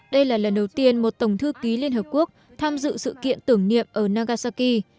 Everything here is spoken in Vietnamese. đây là lần đầu tiên một tổng thư ký liên hợp quốc tham dự sự kiện tưởng niệm ở nagasaki